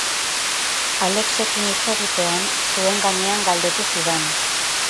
Alexekin hitz egitean, zuen gainean galdetu zidan.